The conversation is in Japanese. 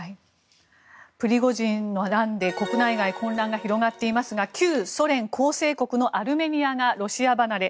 プリゴジンの乱で国内外に混乱が広がっていますが旧ソ連構成国のアルメニアがロシア離れ。